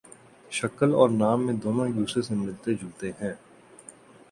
شکل اور نام میں دونوں ایک دوسرے سے ملتے جلتے ہیں